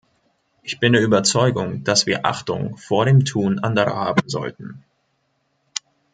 Ich bin der Überzeugung, dass wir Achtung vor dem Tun anderer haben sollten.